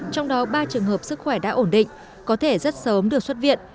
trong đó ba trường hợp sức khỏe đã ổn định có thể rất sớm được xuất viện